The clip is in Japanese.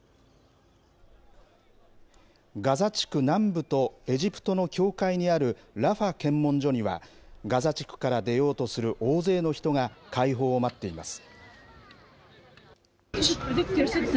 ガザ地区南部とエジプトの境界にあるラファ検問所には、ガザ地区から出ようとする大勢の人が、開放を待っています。